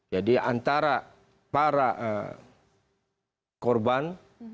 jadi antara para korban